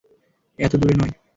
এত দুরে নয়।